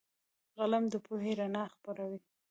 قلم د پوهې رڼا خپروي